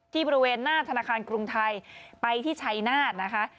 ที่บริเวณหน้าธนาคารกรุงไทยไปที่ชายนาฬินิซิะครับ